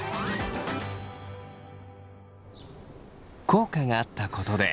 効果があったことで。